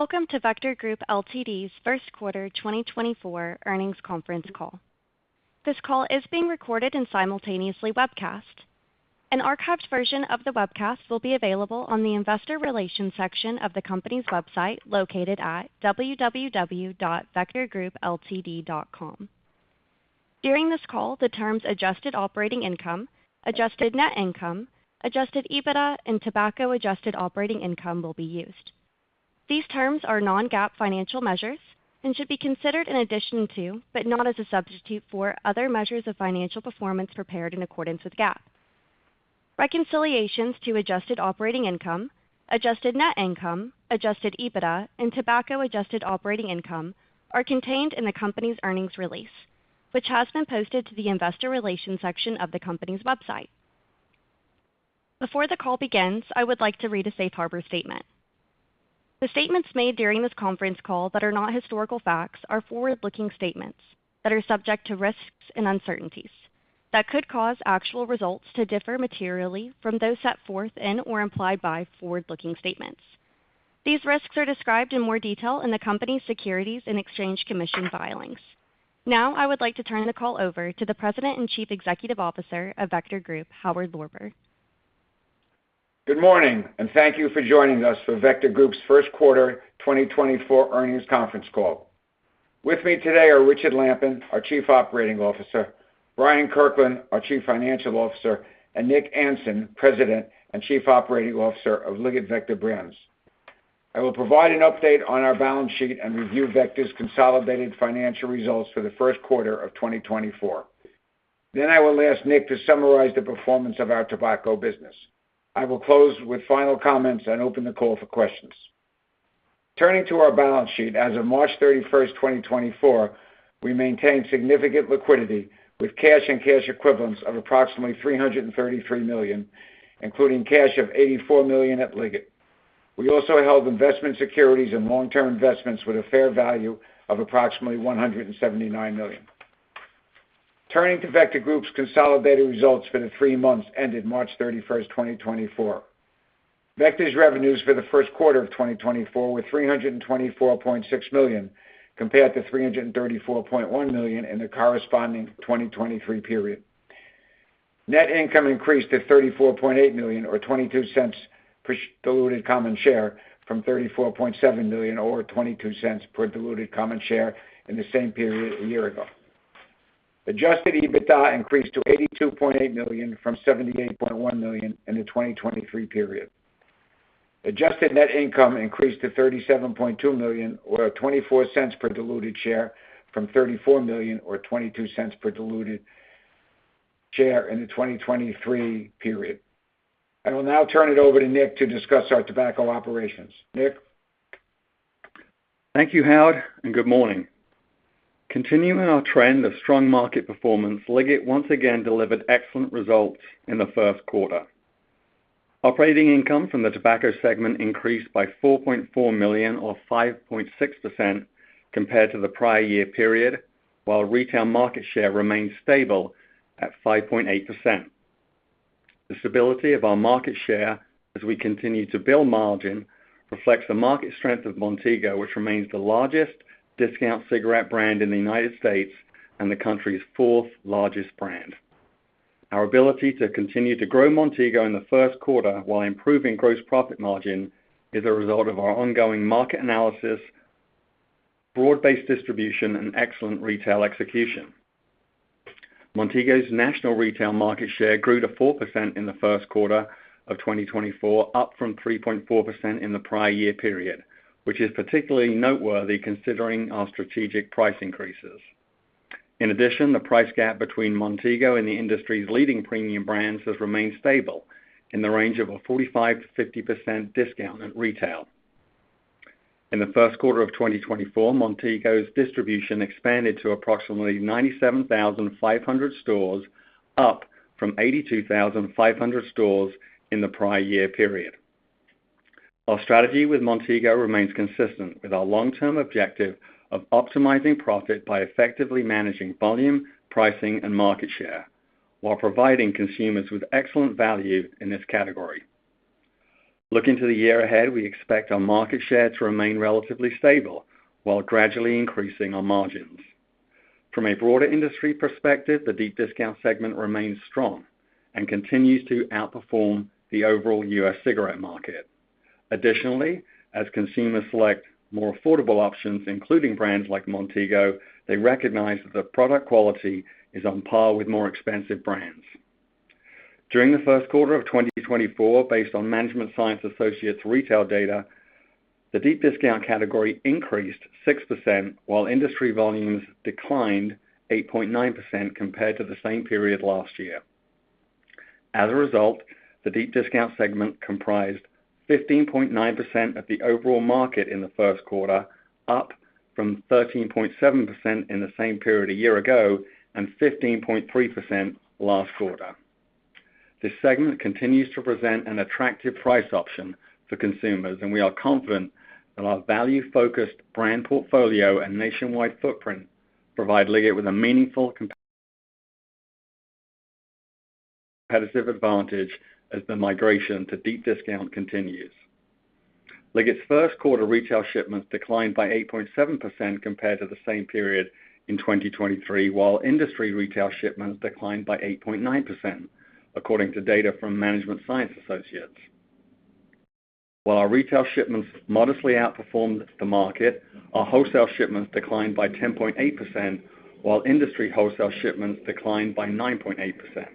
Welcome to Vector Group Ltd.'s First Quarter 2024 Earnings Conference Call. This call is being recorded and simultaneously webcast. An archived version of the webcast will be available on the investor relations section of the company's website, located at www.vectorgroupltd.com. During this call, the terms adjusted operating income, adjusted net income, adjusted EBITDA, and tobacco adjusted operating income will be used. These terms are non-GAAP financial measures and should be considered in addition to, but not as a substitute for, other measures of financial performance prepared in accordance with GAAP. Reconciliations to adjusted operating income, adjusted net income, adjusted EBITDA, and tobacco adjusted operating income are contained in the company's earnings release, which has been posted to the investor relations section of the company's website. Before the call begins, I would like to read a safe harbor statement. The statements made during this conference call that are not historical facts are forward-looking statements that are subject to risks and uncertainties that could cause actual results to differ materially from those set forth in or implied by forward-looking statements. These risks are described in more detail in the company's Securities and Exchange Commission filings. Now, I would like to turn the call over to the President and Chief Executive Officer of Vector Group, Howard Lorber. Good morning, and thank you for joining us for Vector Group's First Quarter 2024 Earnings Conference Call. With me today are Richard Lampen, our Chief Operating Officer, Bryant Kirkland, our Chief Financial Officer, and Nick Anson, President and Chief Operating Officer of Liggett Vector Brands. I will provide an update on our balance sheet and review Vector's consolidated financial results for the first quarter of 2024. I will ask Nick to summarize the performance of our tobacco business. I will close with final comments and open the call for questions. Turning to our balance sheet, as of March 31st, 2024, we maintained significant liquidity, with cash and cash equivalents of approximately $333 million, including cash of $84 million at Liggett. We also held investment securities and long-term investments with a fair value of approximately $179 million. Turning to Vector Group's consolidated results for the three months ended March 31st, 2024. Vector's revenues for the first quarter of 2024 were $324.6 million, compared to $334.1 million in the corresponding 2023 period. Net income increased to $34.8 million, or $0.22 per diluted common share, from $34.7 million, or $0.22 per diluted common share in the same period a year ago. Adjusted EBITDA increased to $82.8 million from $78.1 million in the 2023 period. Adjusted net income increased to $37.2 million, or $0.24 per diluted share, from $34 million or $0.22 per diluted share in the 2023 period. I will now turn it over to Nick to discuss our tobacco operations. Nick? Thank you, Howard, and good morning. Continuing our trend of strong market performance, Liggett once again delivered excellent results in the first quarter. Operating income from the tobacco segment increased by $4.4 million, or 5.6% compared to the prior year period, while retail market share remained stable at 5.8%. The stability of our market share as we continue to build margin reflects the market strength of Montego, which remains the largest discount cigarette brand in the United States and the country's fourth largest brand. Our ability to continue to grow Montego in the first quarter while improving gross profit margin is a result of our ongoing market analysis, broad-based distribution, and excellent retail execution. Montego's national retail market share grew to 4% in the first quarter of 2024, up from 3.4% in the prior year period, which is particularly noteworthy considering our strategic price increases. In addition, the price gap between Montego and the industry's leading premium brands has remained stable in the range of a 45%-50% discount at retail. In the first quarter of 2024, Montego's distribution expanded to approximately 97,500 stores, up from 82,500 stores in the prior year period. Our strategy with Montego remains consistent with our long-term objective of optimizing profit by effectively managing volume, pricing, and market share, while providing consumers with excellent value in this category. Looking to the year ahead, we expect our market share to remain relatively stable while gradually increasing our margins. From a broader industry perspective, the deep discount segment remains strong and continues to outperform the overall U.S. cigarette market. Additionally, as consumers select more affordable options, including brands like Montego, they recognize that the product quality is on par with more expensive brands. During the first quarter of 2024, based on Management Science Associates' retail data, the deep discount category increased 6%, while industry volumes declined 8.9% compared to the same period last year. As a result, the deep discount segment comprised 15.9% of the overall market in the first quarter, up from 13.7% in the same period a year ago and 15.3% last quarter. This segment continues to present an attractive price option for consumers, and we are confident that our value-focused brand portfolio and nationwide footprint provide Liggett with a meaningful competitive-... competitive advantage as the migration to deep discount continues. Liggett's first quarter retail shipments declined by 8.7% compared to the same period in 2023, while industry retail shipments declined by 8.9%, according to data from Management Science Associates. While our retail shipments modestly outperformed the market, our wholesale shipments declined by 10.8%, while industry wholesale shipments declined by 9.8%.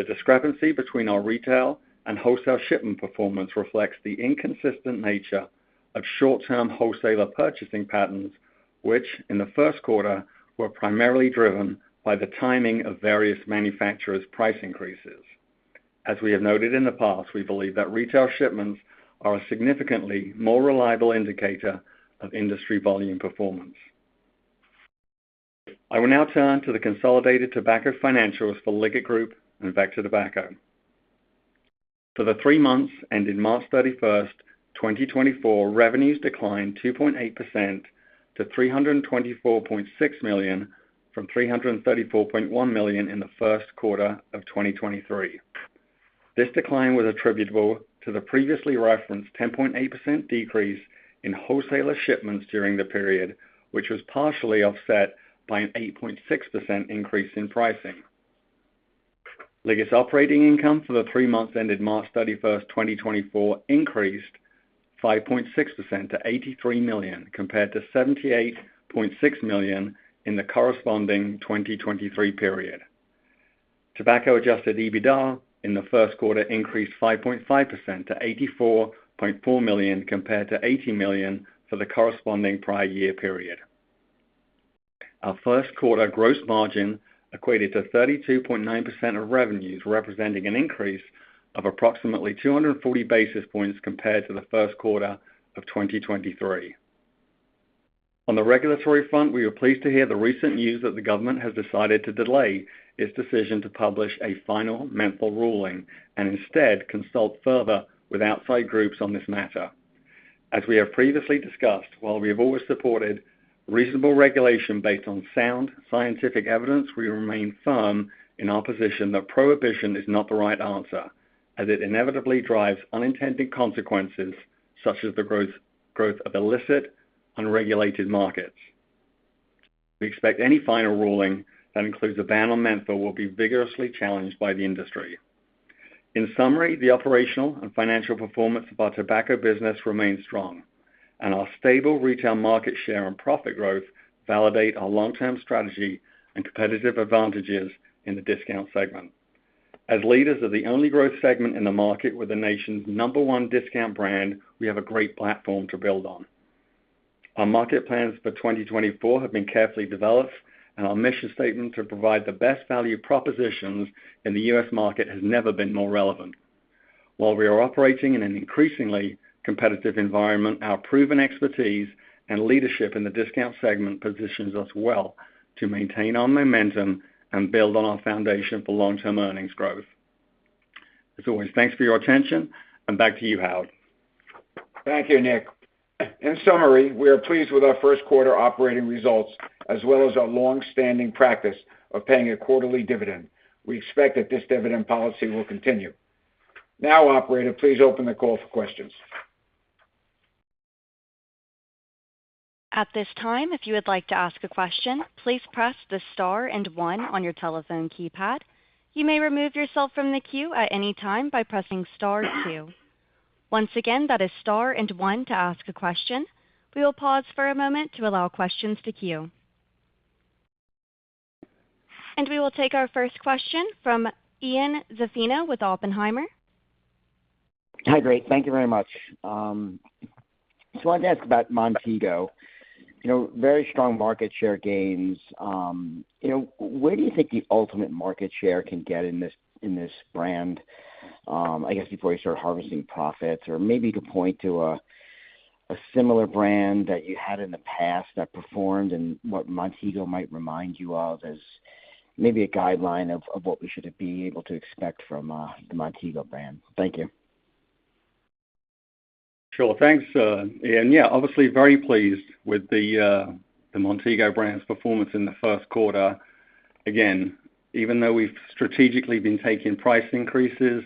The discrepancy between our retail and wholesale shipment performance reflects the inconsistent nature of short-term wholesaler purchasing patterns, which, in the first quarter, were primarily driven by the timing of various manufacturers' price increases. As we have noted in the past, we believe that retail shipments are a significantly more reliable indicator of industry volume performance. I will now turn to the consolidated tobacco financials for Liggett Group and Vector Tobacco. For the three months ending March 31st, 2024, revenues declined 2.8% to $324.6 million from $334.1 million in the first quarter of 2023. This decline was attributable to the previously referenced 10.8% decrease in wholesaler shipments during the period, which was partially offset by an 8.6% increase in pricing. Liggett's operating income for the three months ended March 31, 2024, increased 5.6% to $83 million, compared to $78.6 million in the corresponding 2023 period. Tobacco Adjusted EBITDA in the first quarter increased 5.5% to $84.4 million, compared to $80 million for the corresponding prior year period. Our first quarter gross margin equated to 32.9% of revenues, representing an increase of approximately 240 basis points compared to the first quarter of 2023. On the regulatory front, we were pleased to hear the recent news that the government has decided to delay its decision to publish a final menthol ruling and instead consult further with outside groups on this matter. As we have previously discussed, while we have always supported reasonable regulation based on sound scientific evidence, we remain firm in our position that prohibition is not the right answer, as it inevitably drives unintended consequences, such as the growth of illicit, unregulated markets. We expect any final ruling that includes a ban on menthol will be vigorously challenged by the industry. In summary, the operational and financial performance of our tobacco business remains strong, and our stable retail market share and profit growth validate our long-term strategy and competitive advantages in the discount segment. As leaders of the only growth segment in the market with the nation's number one discount brand, we have a great platform to build on. Our market plans for 2024 have been carefully developed, and our mission statement to provide the best value propositions in the U.S. market has never been more relevant. While we are operating in an increasingly competitive environment, our proven expertise and leadership in the discount segment positions us well to maintain our momentum and build on our foundation for long-term earnings growth. As always, thanks for your attention, and back to you, Howard. Thank you, Nick. In summary, we are pleased with our first quarter operating results, as well as our long-standing practice of paying a quarterly dividend. We expect that this dividend policy will continue. Now, operator, please open the call for questions. At this time, if you would like to ask a question, please press the star and one on your telephone keypad. You may remove yourself from the queue at any time by pressing star two. Once again, that is star and one to ask a question. We will pause for a moment to allow questions to queue. We will take our first question from Ian Zaffino with Oppenheimer. Hi, great. Thank you very much. So I'd like to ask about Montego. You know, very strong market share gains. You know, where do you think the ultimate market share can get in this, in this brand, I guess, before you start harvesting profits? Or maybe you could point to a similar brand that you had in the past that performed and what Montego might remind you of as maybe a guideline of what we should be able to expect from the Montego brand. Thank you. Sure. Thanks, Ian. Yeah, obviously, very pleased with the Montego brand's performance in the first quarter. Again, even though we've strategically been taking price increases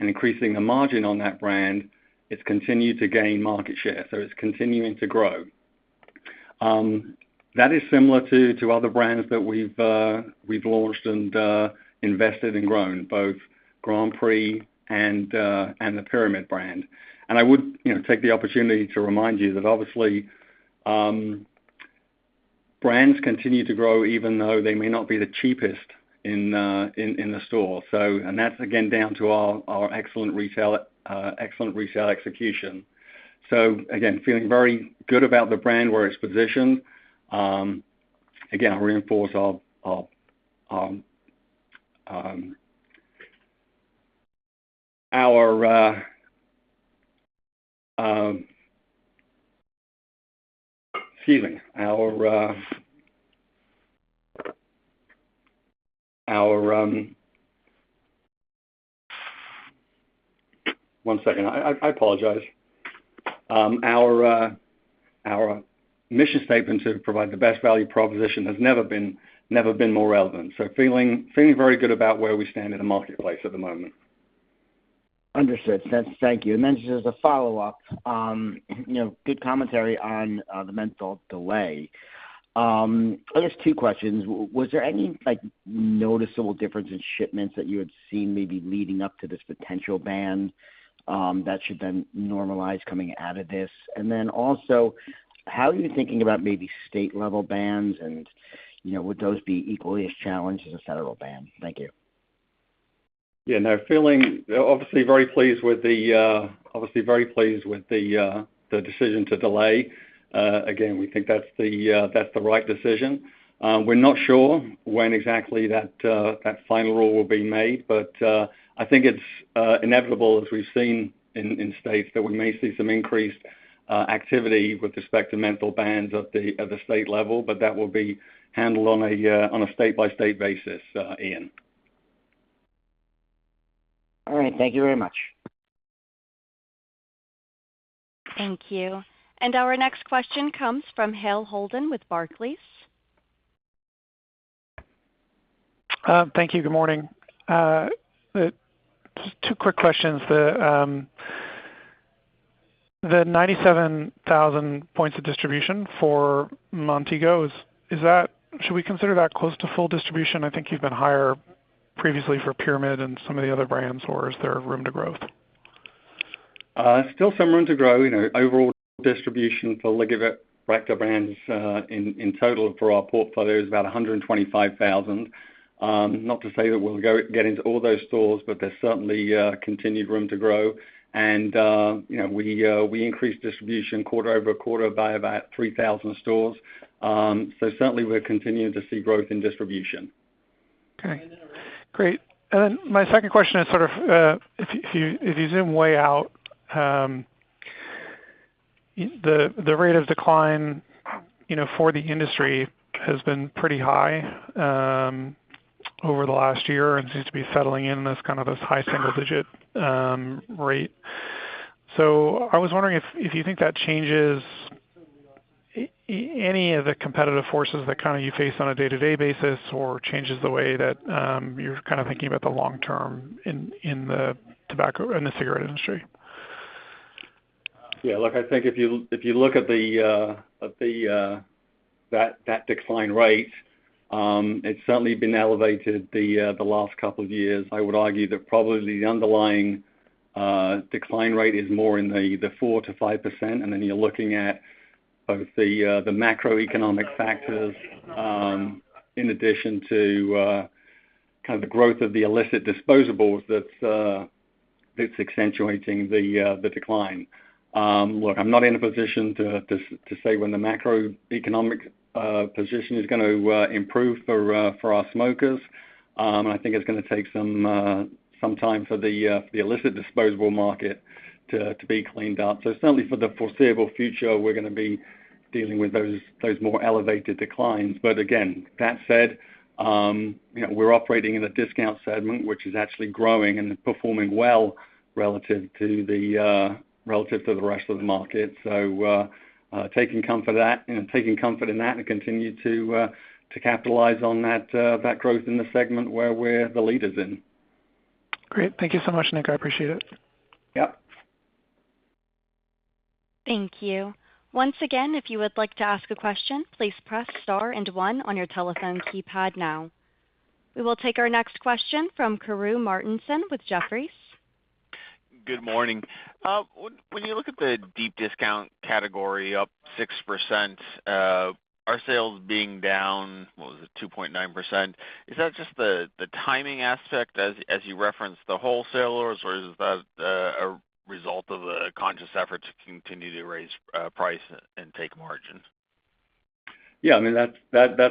and increasing the margin on that brand, it's continued to gain market share, so it's continuing to grow. That is similar to other brands that we've launched and invested and grown, both Grand Prix and the Pyramid brand. And I would, you know, take the opportunity to remind you that obviously, brands continue to grow even though they may not be the cheapest in the store. So and that's again down to our excellent retail execution. So again, feeling very good about the brand, where it's positioned. Again, I'll reinforce our. Excuse me. Our. One second. I apologize. Our mission statement to provide the best value proposition has never been more relevant. So feeling very good about where we stand in the marketplace at the moment. Understood. That's thank you. And then just as a follow-up, you know, good commentary on the menthol delay. I guess two questions. Was there any, like, noticeable difference in shipments that you had seen maybe leading up to this potential ban that should then normalize coming out of this? And then also, how are you thinking about maybe state-level bans, and, you know, would those be equally as challenged as a federal ban? Thank you. Yeah, no, feeling obviously very pleased with the decision to delay. Again, we think that's the right decision. We're not sure when exactly that final rule will be made, but I think it's inevitable, as we've seen in states, that we may see some increased activity with respect to menthol bans at the state level, but that will be handled on a state-by-state basis, Ian. All right. Thank you very much. Thank you. Our next question comes from Hale Holden with Barclays. Thank you. Good morning. Just two quick questions. The 97,000 points of distribution for Montego, is that - should we consider that close to full distribution? I think you've been higher previously for Pyramid and some of the other brands, or is there room to growth? Still some room to grow. You know, overall distribution for Liggett Vector brands, in total for our portfolio is about 125,000. Not to say that we'll go get into all those stores, but there's certainly continued room to grow. You know, we increased distribution quarter-over-quarter by about 3,000 stores. So certainly we're continuing to see growth in distribution. Okay, great. And then my second question is sort of, if you zoom way out, the rate of decline, you know, for the industry has been pretty high over the last year and seems to be settling in this kind of high single digit rate. So I was wondering if you think that changes any of the competitive forces that kind of you face on a day-to-day basis, or changes the way that you're kind of thinking about the long term in the tobacco, in the cigarette industry? Yeah, look, I think if you look at the decline rate, it's certainly been elevated the last couple of years. I would argue that probably the underlying decline rate is more in the 4% to 5%, and then you're looking at both the macroeconomic factors in addition to kind of the growth of the illicit disposables that's accentuating the decline. Look, I'm not in a position to say when the macroeconomic position is gonna improve for our smokers. And I think it's gonna take some time for the illicit disposable market to be cleaned up. So certainly for the foreseeable future, we're gonna be dealing with those more elevated declines. But again, that said, you know, we're operating in a discount segment, which is actually growing and performing well relative to the rest of the market. So, taking comfort that, you know, taking comfort in that and continue to capitalize on that growth in the segment where we're the leaders in. Great. Thank you so much, Nick. I appreciate it. Yep. Thank you. Once again, if you would like to ask a question, please press star and one on your telephone keypad now. We will take our next question from Karru Martinson with Jefferies. Good morning. When you look at the deep discount category up 6%, our sales being down, what was it, 2.9%, is that just the timing aspect as you referenced the wholesalers, or is that a result of a conscious effort to continue to raise price and take margin? Yeah, I mean, that's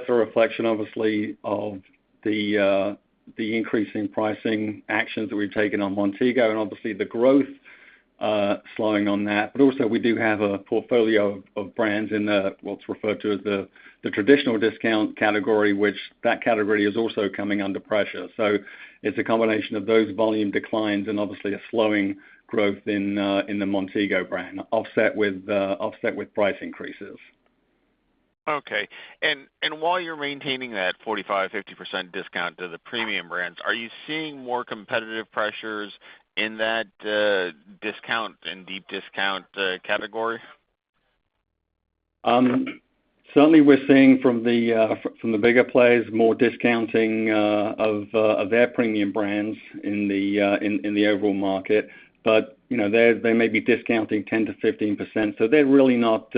a reflection, obviously, of the increasing pricing actions that we've taken on Montego and obviously the growth slowing on that. But also, we do have a portfolio of brands in the, what's referred to as the traditional discount category, which that category is also coming under pressure. So it's a combination of those volume declines and obviously a slowing growth in the Montego brand, offset with price increases. Okay. And while you're maintaining that 45% to 50% discount to the premium brands, are you seeing more competitive pressures in that discount and deep discount category? Certainly we're seeing from the bigger players more discounting of their premium brands in the overall market. But you know, they may be discounting 10% to 15%, so they're really not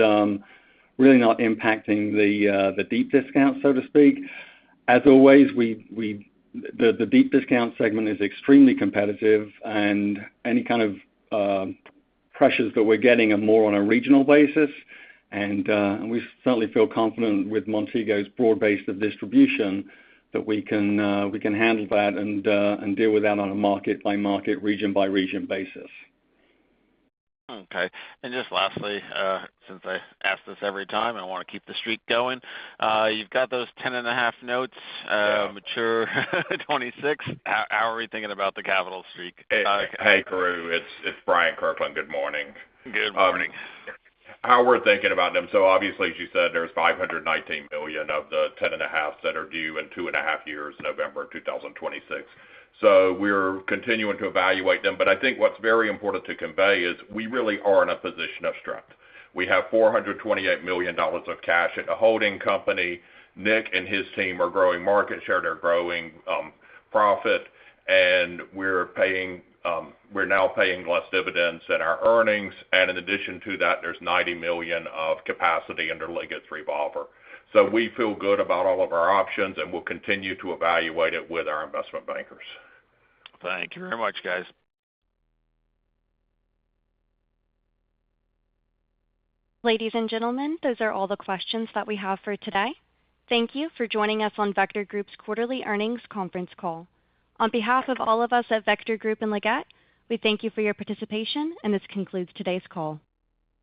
impacting the deep discount, so to speak. As always, the deep discount segment is extremely competitive, and any kind of pressures that we're getting are more on a regional basis. And we certainly feel confident with Montego's broad base of distribution, that we can handle that and deal with that on a market-by-market, region-by-region basis. Okay. Just lastly, since I ask this every time, and I want to keep the streak going, you've got those 10.5 notes maturing 2026. How are we thinking about the capital structure? Hey, Karru, it's Bryant Kirkland. Good morning. Good morning. How we're thinking about them, so obviously, as you said, there's $519 million of the $10.5 billion that are due in 2.5 years, November 2026. So we're continuing to evaluate them, but I think what's very important to convey is we really are in a position of strength. We have $428 million of cash at the holding company. Nick and his team are growing market share, they're growing profit, and we're paying, we're now paying less dividends than our earnings, and in addition to that, there's $90 million of capacity under Liggett's revolver. So we feel good about all of our options, and we'll continue to evaluate it with our investment bankers. Thank you very much, guys. Ladies and gentlemen, those are all the questions that we have for today. Thank you for joining us on Vector Group's quarterly earnings conference call. On behalf of all of us at Vector Group and Liggett, we thank you for your participation, and this concludes today's call.